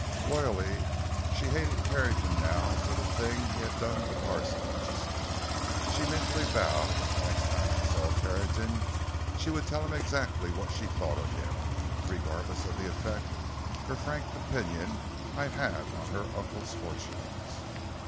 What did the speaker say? Loyally, she hated Carrington now for the things he had done to Parsons. She mentally vowed that the next time she saw Carrington she would tell him exactly what she thought of him, regardless of the effect her frank opinion might have on her uncle's fortunes.